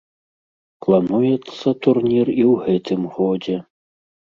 Плануецца турнір і ў гэтым годзе.